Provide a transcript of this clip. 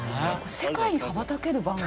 世界に羽ばたける番組。